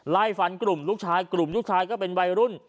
ไล่ฟันกลุ่มลูกชายกลุ่มลูกชายก็เป็นวัยรุ่น